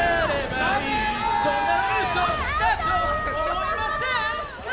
「思いませんか？」